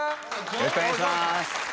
よろしくお願いします！